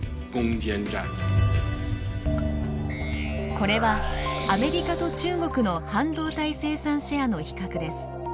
これはアメリカと中国の半導体生産シェアの比較です。